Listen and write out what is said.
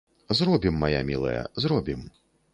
Зробім, мая мілая, зробім.